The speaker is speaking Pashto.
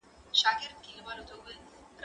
زه کتابونه وړلي دي